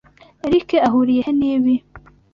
Eric ahuriye he nibi?